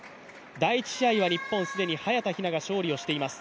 第１試合は日本、既に早田ひなが勝利をしています。